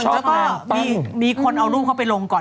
แล้วก็มีคนเอารูปเขาไปลงก่อน